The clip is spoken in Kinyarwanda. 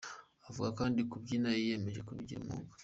Avuga kandi ko kubyina yiyemeje kubigira umwuga.